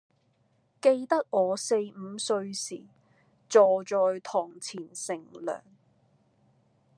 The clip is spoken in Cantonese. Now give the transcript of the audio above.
記得我四五歲時，坐在堂前乘涼，